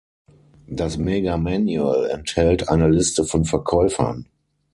Das Megamanual enthält eine Liste von Verkäufern.